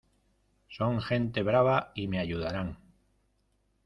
son gente brava y me ayudarán...